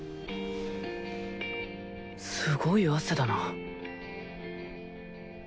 すごい汗だな